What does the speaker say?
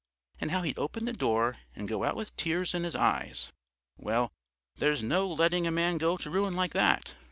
And how he'd open the door and go out with tears in his eyes. Well, there's no letting a man go to ruin like that....